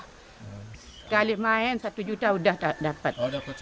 sekali main satu juta udah dapat